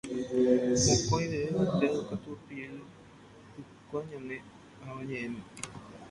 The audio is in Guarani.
Mokõivévante ikatupyry hikuái ñane Avañe'ẽme.